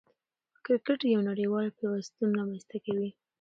کرکټ یو نړۍوال پیوستون رامنځ ته کوي.